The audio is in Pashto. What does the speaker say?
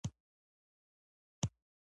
د احمد له خبرو څخه د وينې بوي ځي